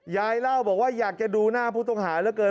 ยายเล่าบอกว่าอยากจะดูหน้าผู้ต้องหาเหลือเกิน